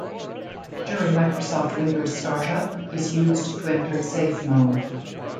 During Microsoft Windows startup, is used to enter safe mode.